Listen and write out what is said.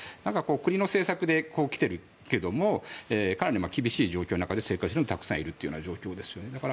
国の政策で来てるけどかなり厳しい状況で生活している人はたくさんいる状況ですよね。